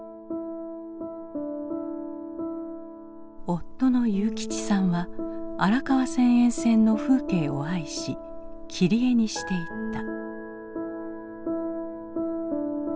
夫の祐吉さんは荒川線沿線の風景を愛し切り絵にしていった。